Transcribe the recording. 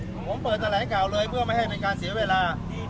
ผมเปิดแถลงข่าวเลยเพื่อไม่ให้เป็นการเสียเวลา